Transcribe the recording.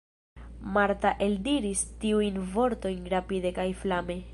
Marta eldiris tiujn vortojn rapide kaj flame.